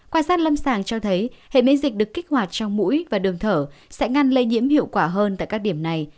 quan sát lâm sàng cho thấy hệ miễn dịch được kích hoạt trong mũi và đường thở sẽ ngăn lây nhiễm hiệu quả hơn tại các điểm này